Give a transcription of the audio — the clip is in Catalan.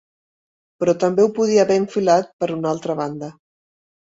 Però també ho podia haver enfilat per una altra banda.